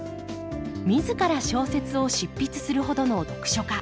自ら小説を執筆するほどの読書家